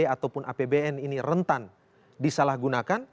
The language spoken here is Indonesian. ataupun apbn ini rentan disalahgunakan